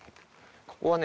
ここはね